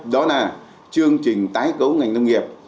đó là chương trình tái cấu ngành nông nghiệp